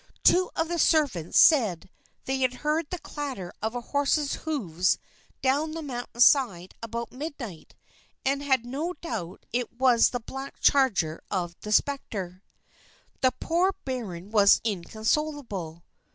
Two of the servants said they had heard the clatter of horse's hoofs down the mountain side about midnight, and had no doubt it was the black charger of the spectre. The poor baron was inconsolable.